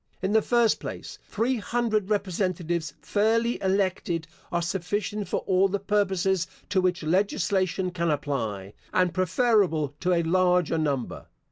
In the first place, three hundred representatives fairly elected, are sufficient for all the purposes to which legislation can apply, and preferable to a larger number.